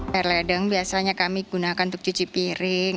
air ledeng biasanya kami gunakan untuk cuci piring